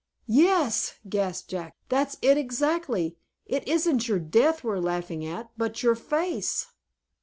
"Yes," gasped Jack, "that's it exactly. It isn't your death we're laughing at, but your face."